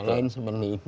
antara lain seperti ini